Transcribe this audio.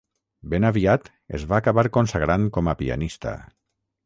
Ben aviat es va acabar consagrant com a pianista.